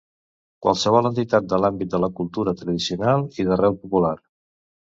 Qualsevol entitat de l'àmbit de la cultura tradicional i d'arrel popular.